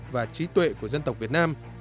và trí tuệ của dân tộc việt nam